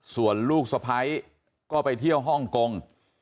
ส่วนลูกสะพ้ายก็ไปเที่ยวฮ่องกง